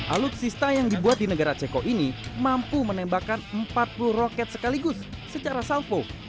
alutsista yang dibuat di negara ceko ini mampu menembakkan empat puluh roket sekaligus secara salvo